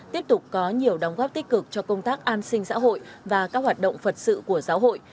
tiếp tục có nhiều đóng góp tích cực cho công tác an sinh xã hội và các hoạt động phật sự của giáo hội